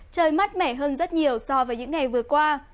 trời mát mẻ hơn rất nhiều so với những ngày vừa qua